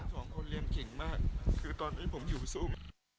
สองคนเรียนเก่งมากคือตอนนี้ผมอยู่สูง